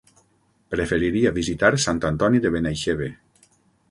Preferiria visitar Sant Antoni de Benaixeve.